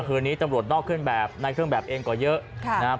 คืนนี้ตำรวจนอกเครื่องแบบในเครื่องแบบเองก็เยอะนะครับ